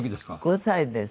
５歳です。